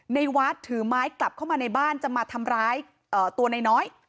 ในวัดถือไม้กลับเข้ามาในบ้านจะมาทำร้ายตัวน้อย